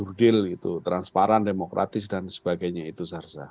mencurdil itu transparan demokratis dan sebagainya itu